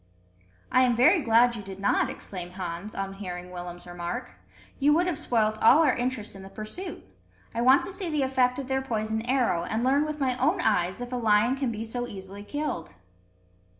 "I am very glad you did not," exclaimed Hans, on hearing Willem's remark. "You would have spoilt all our interest in the pursuit. I want to see the effect of their poisoned arrow, and learn with my own eyes if a lion can be so easily killed."